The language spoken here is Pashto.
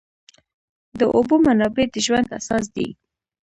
د اوبو منابع د ژوند اساس دي.